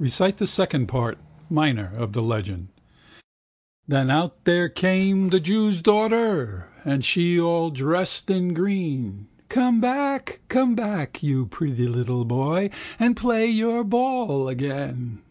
Recite the second part (minor) of the legend. Then out there came the jew's daughter And she all dressed in green. "Come back, come back, you pretty little boy, And play your ball again."